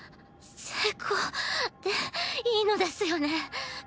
成功でいいのですよね？